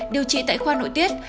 điều trị tại khoa nội tiết